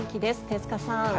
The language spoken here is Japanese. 手塚さん